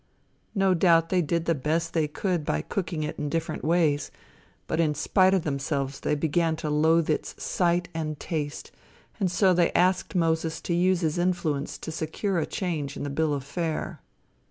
No doubt they did the best they could by cooking it in different ways, but in spite of themselves they began to loathe its sight and taste, and so they asked Moses to use his influence to secure a change in the bill of fare.